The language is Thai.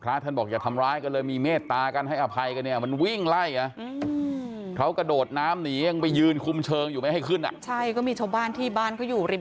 พระเธอบอกอย่าทำร้ายกันเลยมีเมฆตาการให้อภัยกันเนี่ย